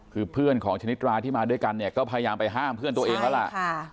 คือเพื่อนของชนิดราที่มาด้วยกันเนี่ยก็พยายามไปห้ามเพื่อนตัวเองแล้วล่ะ